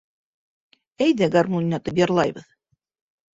Әйҙә гармун уйнатып йырлайбыҙ.